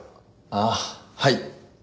ああはい。